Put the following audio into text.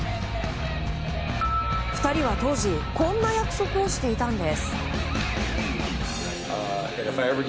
２人は当時こんな約束をしていたんです。